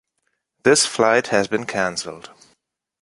This flight has been canceled.